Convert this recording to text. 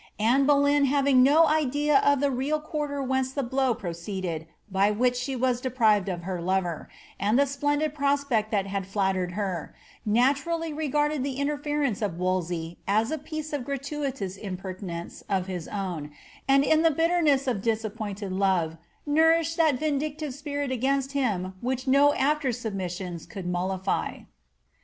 Anoe Boleyn having no idea of the real quarter whence the blow proceeded by which she was deprived of her lover, and the splendid prospect that had flattered her, naturally regarded the interference of Wolsey as a piece of gratuitous impertinence of his own, and in the bitterness of disappointed love nourished that vindictive spirit against him which oo after submissions could mollify.